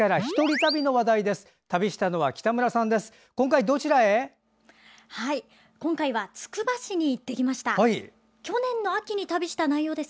旅したのは北村さんです。